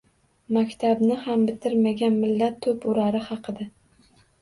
Maktabni ham bitirmagan “Millat to‘purari” haqida